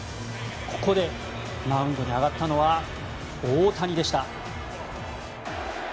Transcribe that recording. ここでマウンドに上がったのは大谷でした。